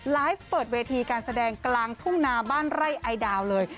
ไลฟ์เปิดเวทีการแสดงกลางทุ่งนาบ้านไร่ไอดาวเลย